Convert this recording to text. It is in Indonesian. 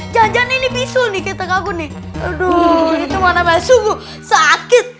jangan jangan ini bisul nih kita kagum nih aduh itu mana bahaya sungguh sakit